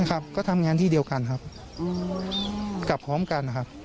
ครับก็ทำงานที่เดียวกันครับกลับพร้อมกันนะครับ